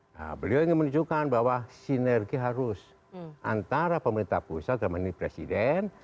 nah beliau ingin menunjukkan bahwa sinergi harus antara pemerintah pusat kemudian presiden